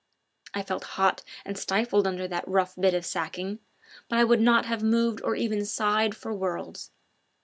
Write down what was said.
I felt hot and stifled under that rough bit of sacking, but I would not have moved or even sighed for worlds.